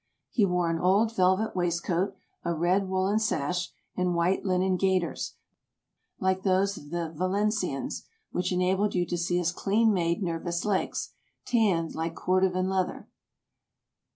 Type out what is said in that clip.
He wore an old velvet waistcoat, a red woolen sash, and white linen gaiters, like those of the Valencians, which enabled you to see his clean made, nervous legs, tanned like Cordovan leather.